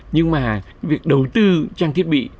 nhưng mà việc đầu tư trang thiết bị